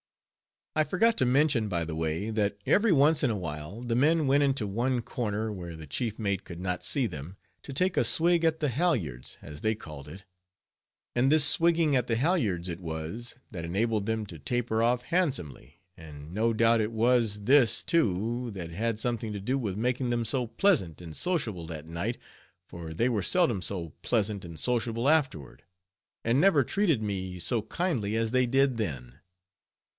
I forgot to mention by the way, that every once in a while, the men went into one corner, where the chief mate could not see them, to take a "swig at the halyards," as they called it; and this swigging at the halyards it was, that enabled them "to taper off" handsomely, and no doubt it was this, too, that had something to do with making them so pleasant and sociable that night, for they were seldom so pleasant and sociable afterward, and never treated me so kindly as they did then.